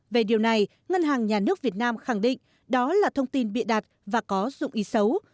về điều này ngân hàng nhà nước việt nam khẳng định đó là thông tin bịa đặt và có dụng ý xấu